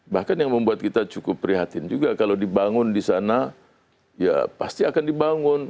bahkan yang membuat kita cukup prihatin juga kalau dibangun di sana ya pasti akan dibangun